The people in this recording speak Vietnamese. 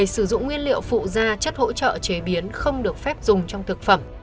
một mươi sử dụng nguyên liệu phụ ra chất hỗ trợ chế biến không được phép dùng trong thực phẩm